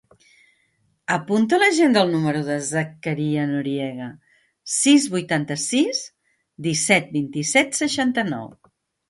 Apunta a l'agenda el número del Zakaria Noriega: sis, vuitanta-sis, disset, vint-i-set, seixanta-nou.